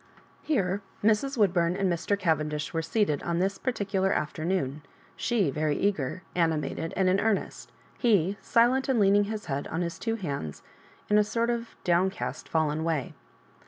Here Mrs. Woodbum and Mr. Cavendish were seated on this particular afternoon; she very eager, animated, and in earnest; he silent and leaning his head on his two hands in a sort of downcast, fallen way.